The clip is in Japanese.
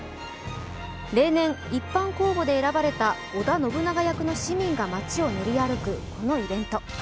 例年、一般公募で選ばれた織田信長役の市民が街を練り歩く、このイベント。